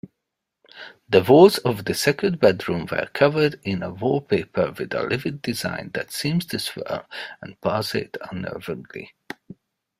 The walls of the second bedroom were covered in a wallpaper with a livid design that seemed to swirl and pulsate unnervingly.